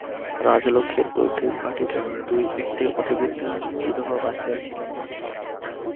রাজলক্ষ্মীর পৈতৃক বাটিতে দুই-একটি অতিবৃদ্ধা বিধবা বাঁচিয়া ছিলেন মাত্র।